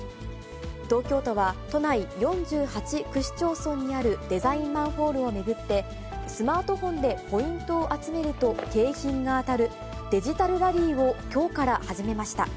東京都は、都内４８区市町村にあるデザインマンホールを巡って、スマートフォンでポイントを集めると景品が当たる、デジタルラリーをきょうから始めました。